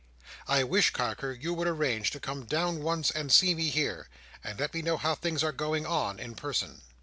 "I wish, Carker, you would arrange to come down once and see me here, and let me know how things are going on, in person."